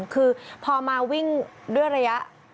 คือพอมาวิ่งด้วยระยะ